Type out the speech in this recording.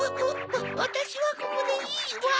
わたしはここでいいわ。